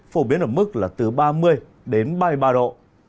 phổ biến ở mức là từ ba mươi đến ba mươi ba độ